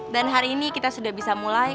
dan hari ini kita sudah bisa mulai